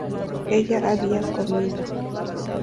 ella había comido